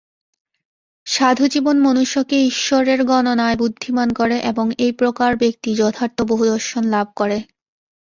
সাধুজীবন মনুষ্যকে ঈশ্বরের গণনায় বুদ্ধিমান করে এবং এই প্রকার ব্যক্তি যথার্থ বহুদর্শন লাভ করে।